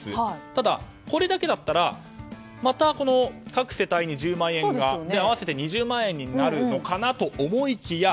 ただ、これだけだったらまた各世帯に１０万円が、合わせて２０万円になるのかなと思いきや